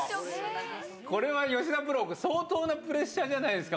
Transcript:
これは吉田プロ、相当なプレッシャーじゃないですか？